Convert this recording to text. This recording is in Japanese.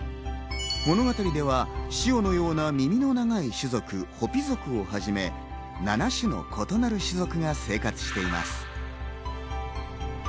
物語ではシオのような耳の長い種族、ホピ族をはじめ、７種の異なる種族が生活しています。